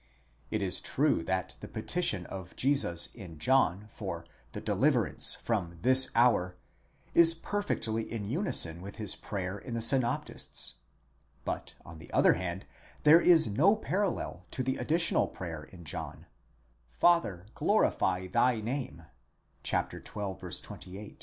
It is true that the petition of Jesus in John for for deliverance from ¢his hour, is perfectly in unison with his prayer in the synoptists : but, on the other hand, there is no parallel to the additional prayer in John: Father, glorify thy name, πάτερ, δόξασόν σου τὸ ὄνομα (xii.